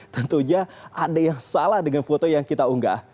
tentunya ada yang salah dengan foto yang kita unggah